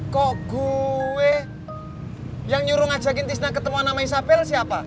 kok gue yang nyuruh ngajakin tisna ketemuan nama isapel siapa